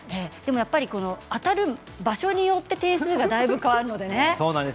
当たる場所によって点数がだいぶ変わるのでね。